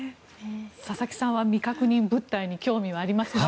佐々木さんは未確認物体に興味がありますか。